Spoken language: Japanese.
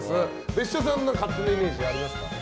別所さんの勝手なイメージありますか？